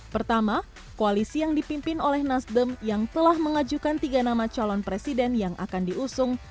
pertama koalisi yang dipimpin oleh nasdem yang telah mengajukan tiga nama calon presiden yang akan diusung